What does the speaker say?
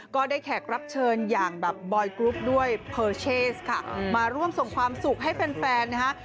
ก็ได้แขกรับเชิญอย่างแบบบอยล์กรุ๊ปด้วยค่ะมาร่วมส่งความสุขให้แฟนแฟนนะฮะ